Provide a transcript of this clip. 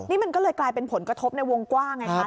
นี่มันก็เลยกลายเป็นผลกระทบในวงกว้างไงคะ